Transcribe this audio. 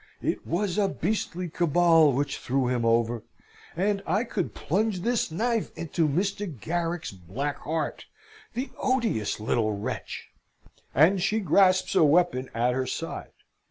"It was a beastly cabal which threw him over and I could plunge this knife into Mr. Garrick's black heart the odious little wretch!" and she grasps a weapon at her side.